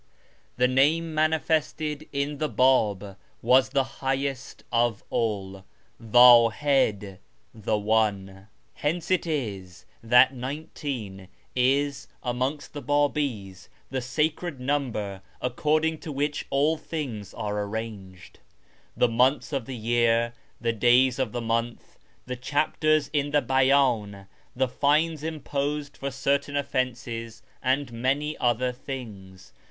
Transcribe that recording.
The name manifested in 11 le Bab was the liighest of all — Wdhid, the One. Hence it is that 1 9 is amongst the Babi's the sacred number according to which all things are arranged — the months of the year, the days of the month, the chapters in the Bcydn, the fines imposed for certain offences, and many other things.